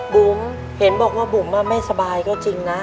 บุ๋มเห็นบอกว่าบุ๋มไม่สบายก็จริงนะ